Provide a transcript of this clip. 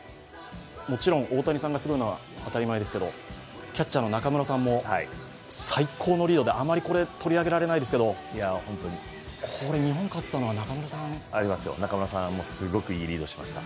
もちろん大谷さんがすごいのは当たり前ですけど、キャッチャーの中村さんも最高のリードであまりこれ、取り上げられないですけど、日本が勝てたのは中村さん？ありますよ、中村さん、すごくいいリードをしました。